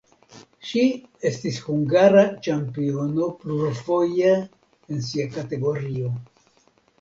Ŝi estis hungara ĉampiono plurfoje en sia kategorio.